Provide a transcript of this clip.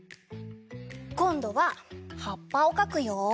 こんどははっぱをかくよ。